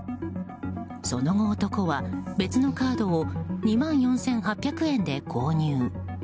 その後、男は別のカードを２万４８００円で購入。